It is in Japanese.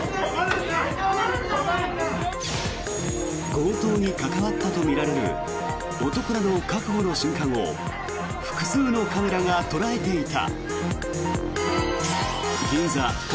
強盗に関わったとみられる男らの確保の瞬間を複数のカメラが捉えていた。